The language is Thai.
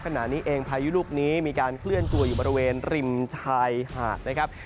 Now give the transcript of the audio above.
ขณะนี้เองพายุลูกนี้มีการเคลื่อนตัวอยู่บริเวณริมชายหาดนะครับ